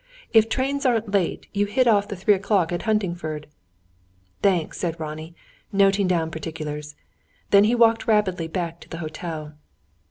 If trains aren't late, you hit off the three o'clock at Huntingford." "Thanks," said Ronnie, noting down particulars. Then he walked rapidly back to the hotel.